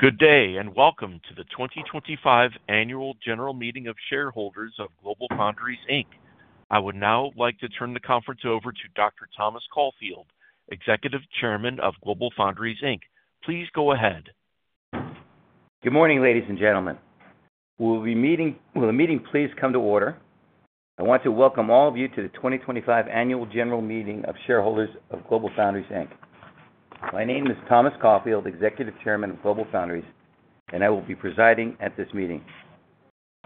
Good day and welcome to the 2025 Annual General Meeting of Shareholders of GlobalFoundries Inc. I would now like to turn the conference over to Dr. Thomas Caulfield, Executive Chairman of GlobalFoundries Inc. Please go ahead. Good morning, ladies and gentlemen. Will the meeting please come to order? I want to welcome all of you to the 2025 Annual General Meeting of Shareholders of GlobalFoundries. My name is Thomas Caulfield, Executive Chairman of GlobalFoundries, and I will be presiding at this meeting.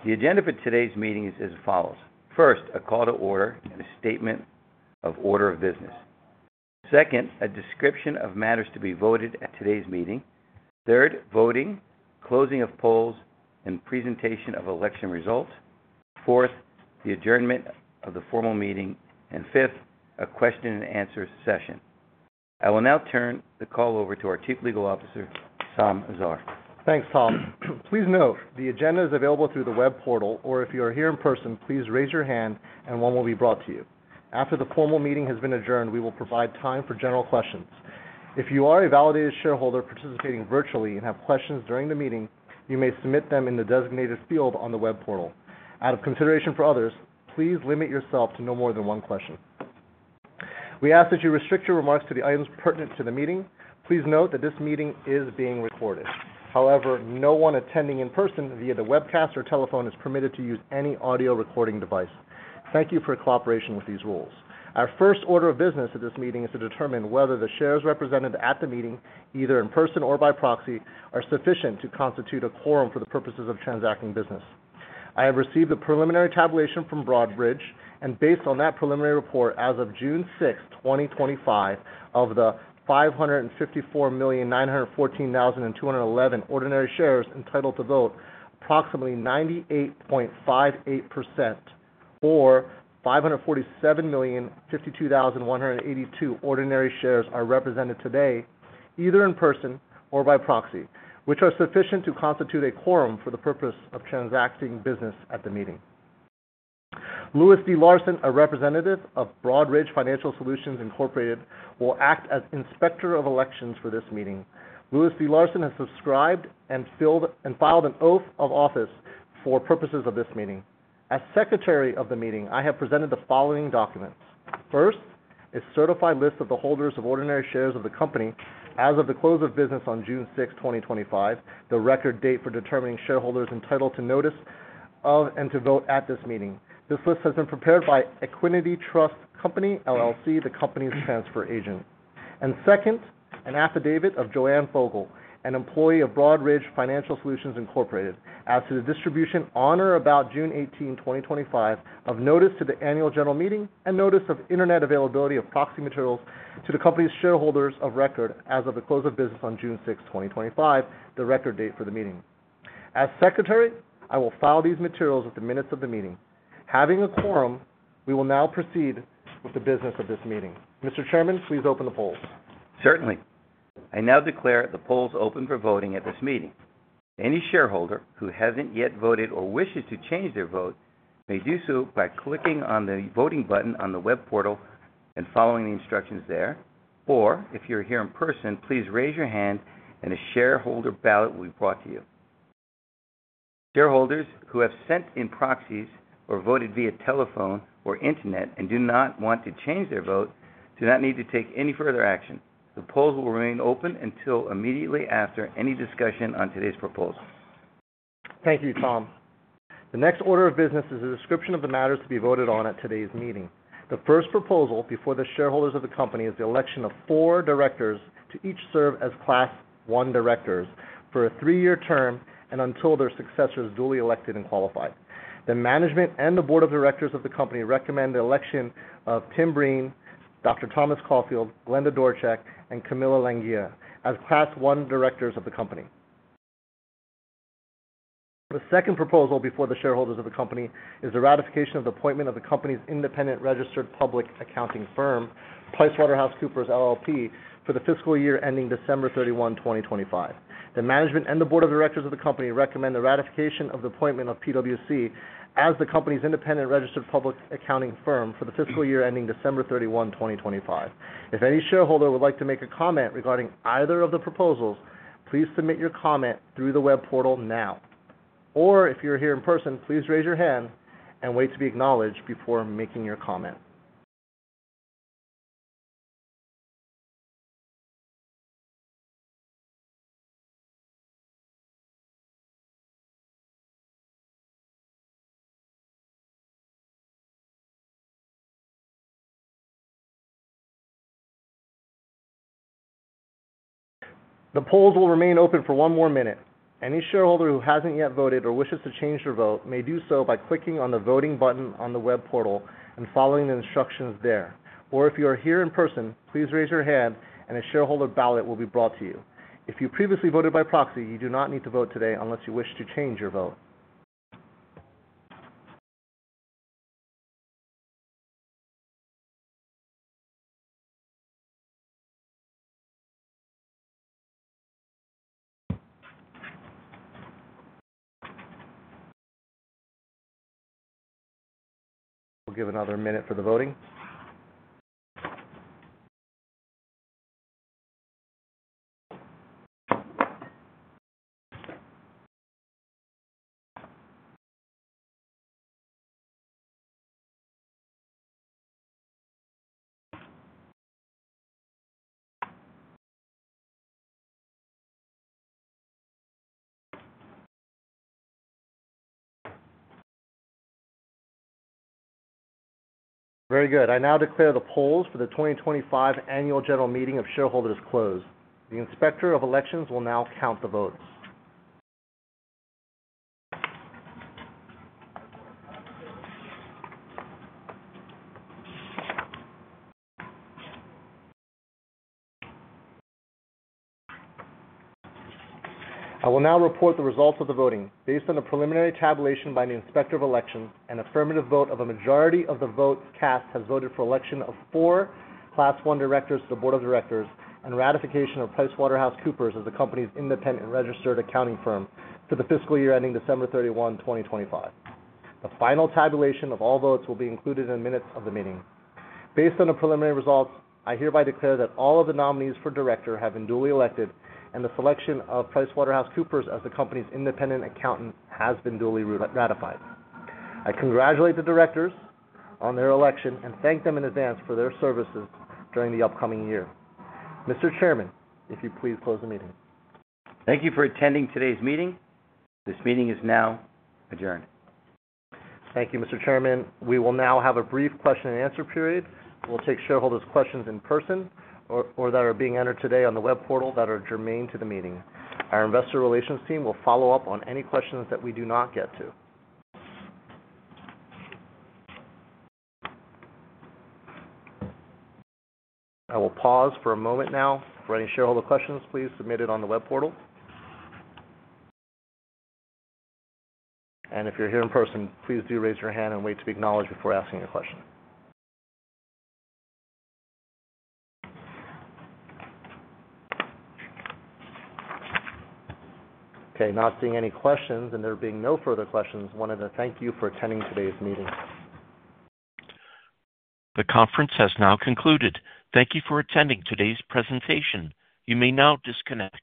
The agenda for today's meeting is as follows: first, a call to order and a statement of order of business. Second, a description of matters to be voted at today's meeting. Third, voting, closing of polls, and presentation of election results. Fourth, the adjournment of the formal meeting. Fifth, a question-and-answer session. I will now turn the call over to our Chief Legal Officer, Saam Azar. Thanks, Tom. Please note, the agenda is available through the web portal, or if you are here in person, please raise your hand and one will be brought to you. After the formal meeting has been adjourned, we will provide time for general questions. If you are a validated shareholder participating virtually and have questions during the meeting, you may submit them in the designated field on the web portal. Out of consideration for others, please limit yourself to no more than one question. We ask that you restrict your remarks to the items pertinent to the meeting. Please note that this meeting is being recorded. However, no one attending in person via the webcast or telephone is permitted to use any audio recording device. Thank you for your cooperation with these rules. Our first order of business at this meeting is to determine whether the shares represented at the meeting, either in person or by proxy, are sufficient to constitute a quorum for the purposes of transacting business. I have received the preliminary tabulation from Broadridge, and based on that preliminary report as of June 6, 2025, of the 554,914,211 ordinary shares entitled to vote, approximately 98.58%, or 547,052,182 ordinary shares are represented today, either in person or by proxy, which are sufficient to constitute a quorum for the purpose of transacting business at the meeting. Louis D. Larson, a representative of Broadridge Financial Solutions, will act as inspector of elections for this meeting. Louis D. Larson has subscribed and filed an oath of office for purposes of this meeting. As secretary of the meeting, I have presented the following documents. First, a certified list of the holders of ordinary shares of the company as of the close of business on June 6, 2025, the record date for determining shareholders entitled to notice of and to vote at this meeting. This list has been prepared by Equinity Trust Company LLC, the company's transfer agent. And second, an affidavit of Joanne Fogel, an employee of Broadridge Financial Solutions Inc., as to the distribution on or about June 18, 2025, of notice to the annual general meeting and notice of internet availability of proxy materials to the company's shareholders of record as of the close of business on June 6, 2025, the record date for the meeting. As secretary, I will file these materials at the minutes of the meeting. Having a quorum, we will now proceed with the business of this meeting. Mr. Chairman, please open the polls. Certainly. I now declare the polls open for voting at this meeting. Any shareholder who has not yet voted or wishes to change their vote may do so by clicking on the voting button on the web portal and following the instructions there. Or if you are here in person, please raise your hand and a shareholder ballot will be brought to you. Shareholders who have sent in proxies or voted via telephone or internet and do not want to change their vote do not need to take any further action. The polls will remain open until immediately after any discussion on today's proposal. Thank you, Tom. The next order of business is a description of the matters to be voted on at today's meeting. The first proposal before the shareholders of the company is the election of four directors to each serve as Class 1 directors for a three-year term and until their successors are duly elected and qualified. The management and the board of directors of the company recommend the election of Tim Breen, Dr. Thomas Caulfield, Glenda Dorchek, and Camilla Languia as Class 1 directors of the company. The second proposal before the shareholders of the company is the ratification of the appointment of the company's independent registered public accounting firm, PricewaterhouseCoopers LLP, for the fiscal year ending December 31, 2025. The management and the board of directors of the company recommend the ratification of the appointment of PricewaterhouseCoopers LLP as the company's independent registered public accounting firm for the fiscal year ending December 31, 2025. If any shareholder would like to make a comment regarding either of the proposals, please submit your comment through the web portal now. If you're here in person, please raise your hand and wait to be acknowledged before making your comment. The polls will remain open for one more minute. Any shareholder who hasn't yet voted or wishes to change their vote may do so by clicking on the voting button on the web portal and following the instructions there. If you are here in person, please raise your hand and a shareholder ballot will be brought to you. If you previously voted by proxy, you do not need to vote today unless you wish to change your vote. We'll give another minute for the voting. Very good. I now declare the polls for the 2025 Annual General Meeting of Shareholders closed. The inspector of elections will now count the votes. I will now report the results of the voting. Based on the preliminary tabulation by the inspector of elections and affirmative vote of a majority of the votes cast, has voted for election of four Class 1 directors to the board of directors and ratification of PricewaterhouseCoopers as the company's independent registered public accounting firm for the fiscal year ending December 31, 2025. The final tabulation of all votes will be included in the minutes of the meeting. Based on the preliminary results, I hereby declare that all of the nominees for director have been duly elected and the selection of PricewaterhouseCoopers as the company's independent accountant has been duly ratified. I congratulate the directors on their election and thank them in advance for their services during the upcoming year. Mr. Chairman, if you please close the meeting. Thank you for attending today's meeting. This meeting is now adjourned. Thank you, Mr. Chairman. We will now have a brief question-and-answer period. We'll take shareholders' questions in person or that are being entered today on the web portal that are germane to the meeting. Our investor relations team will follow up on any questions that we do not get to. I will pause for a moment now. For any shareholder questions, please submit it on the web portal. If you're here in person, please do raise your hand and wait to be acknowledged before asking a question. Okay. Not seeing any questions and there being no further questions, I wanted to thank you for attending today's meeting. The conference has now concluded. Thank you for attending today's presentation. You may now disconnect.